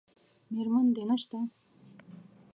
میرمن دې نشته؟